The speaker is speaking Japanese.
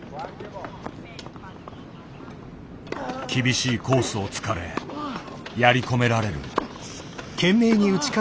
厳しいコースを突かれやり込められる。